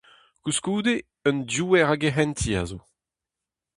Koulskoude, un diouer a gehentiñ a zo.